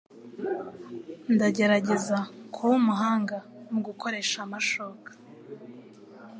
Ndagerageza kuba umuhanga mugukoresha amashoka.